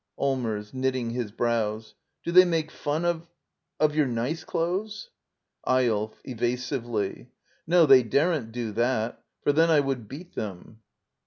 Allmers. [Knitting his brows.] Do they make fun of — of your nice clothes? Eyolf. [Evasively.] No, they daren't do that. For then I would beat them.